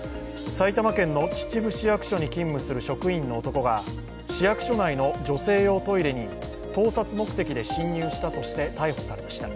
埼玉県の秩父市役所に勤務する職員の男が市役所内の女性用トイレに盗撮目的で侵入したとして逮捕されました。